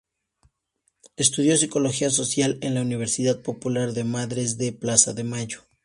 Estudió Psicología social en la Universidad Popular de Madres de Plaza de Mayo.